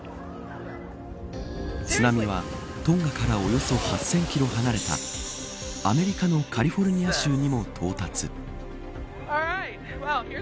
津波は、トンガからおよそ８０００キロ離れたアメリカのカリフォルニア州にも到達。